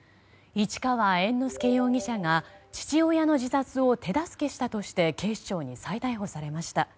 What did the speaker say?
市川猿之助容疑者が父親の自殺を手助けしたとして警視庁に再逮捕されました。